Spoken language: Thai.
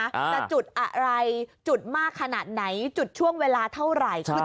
จะจุดอะไรจุดมากขนาดไหนจุดช่วงเวลาเท่าไหร่ขึ้น